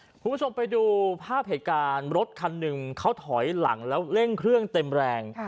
คุณผู้ชมไปดูภาพเหตุการณ์รถคันหนึ่งเขาถอยหลังแล้วเร่งเครื่องเต็มแรง